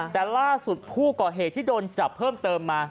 แต่ล่าสุดผู้ก่อเหตุที่โดนจับเพิ่มเติมมา